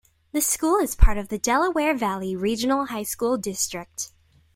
The school is part of the Delaware Valley Regional High School District.